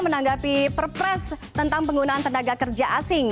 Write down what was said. menanggapi perpres tentang penggunaan tenaga kerja asing